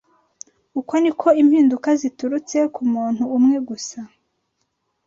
Uko ni ko impinduka ziturutse ku muntu umwe gusa